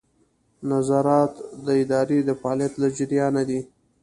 نظارت د ادارې د فعالیت له جریانه دی.